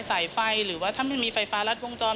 สายไฟหรือว่าถ้าไม่มีไฟฟ้ารัดวงจร